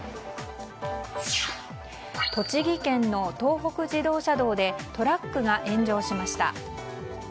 栃木県の東北自動車道でトラックが炎上しました。